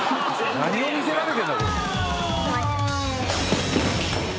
何を見せられてんだ？